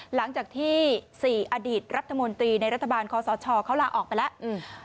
หลังจากที่สี่อดีตรัฐมนตรีในรัฐบาลคอสชเขาลาออกไปแล้วอืม